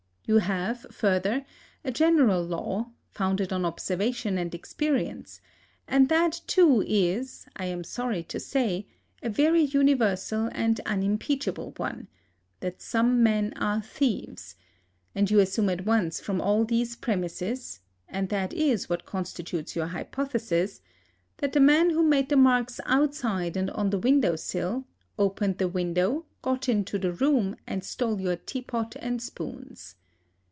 You have, further, a general law, founded on observation and experience, and that, too, is, I am sorry to say, a very universal and unimpeachable one, that some men are thieves; and you assume at once from all these premisses and that is what constitutes your hypothesis that the man who made the marks outside and on the window sill, opened the window, got into the room, and stole your tea pot and spoons.